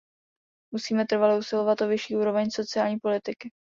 Musíme trvale usilovat o vyšší úroveň sociální politiky.